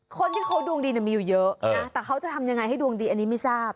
คนที่เขาดวงดีมีอยู่เยอะนะแต่เขาจะทำยังไงให้ดวงดีอันนี้ไม่ทราบ